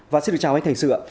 và xin được chào anh thành sự ạ